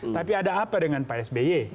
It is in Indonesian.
tapi ada apa dengan psby